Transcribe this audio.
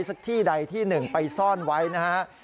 สักที่ใดที่หนึ่งไปซ่อนไว้นะฮะ